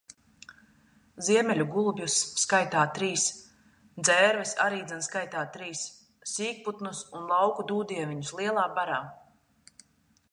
Ziemeļu gulbjus, skaitā trīs. Dzērves, arīdzan skaitā trīs. Sīkputnus un lauku Dūdieviņus lielā barā.